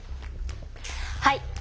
はい。